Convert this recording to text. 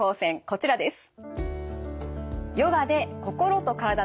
こちらです。